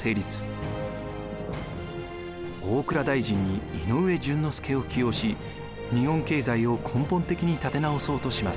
大蔵大臣に井上準之助を起用し日本経済を根本的に立て直そうとします。